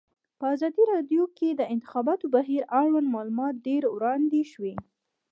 په ازادي راډیو کې د د انتخاباتو بهیر اړوند معلومات ډېر وړاندې شوي.